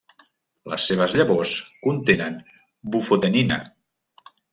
Les seves llavors contenen bufotenina.